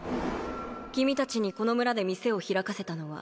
君達にこの村で店を開かせたのは